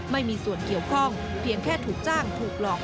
ไม่มีส่วนเกี่ยวข้องเพียงแค่ถูกจ้างถูกหลอก